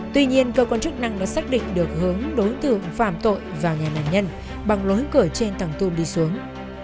tuy nhiên cơ quan chức năng đã xác định được hướng đối tượng phạm tội và nhà nạn nhân bằng lối cửa trên tầng tung đi xuống